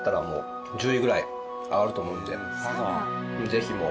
ぜひもう。